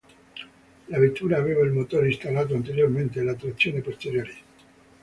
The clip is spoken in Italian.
La vettura aveva il motore installato anteriormente e la trazione posteriore.